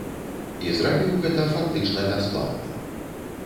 І зрабіў гэта фактычна бясплатна.